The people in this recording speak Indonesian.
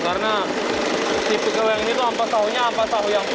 karena si goreng ini ampas tahunya ampas tahu yang